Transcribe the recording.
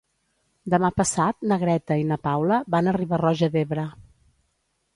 Demà passat na Greta i na Paula van a Riba-roja d'Ebre.